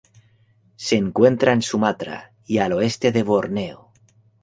Se encuentra en Sumatra y al oeste de Borneo.